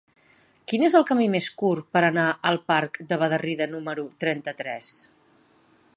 Quin és el camí més curt per anar al parc de Bederrida número trenta-tres?